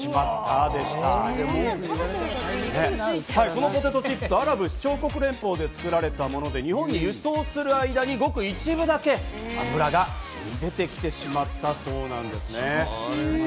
このポテトチップス、アラブ首長国連邦で作られたもので、日本に輸送する間にごく一部だけ油が染み出てきてしまったそうです。